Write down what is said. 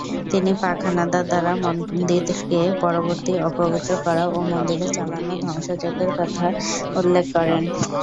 তিনি পাক হানাদার দ্বারা মন্দিরকে পরবর্তী অপবিত্র করা ও মন্দিরে চালানো ধ্বংসযজ্ঞের কথা উল্লেখ করেন।